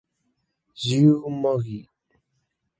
Shu Mogi